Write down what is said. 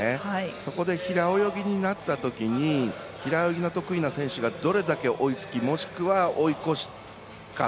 そこで平泳ぎになったときに平泳ぎの得意な選手がどれだけ追いつきもしくは追い越すか。